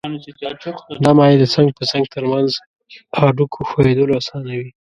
دا مایع د څنګ په څنګ تر منځ هډوکو ښویېدل آسانوي.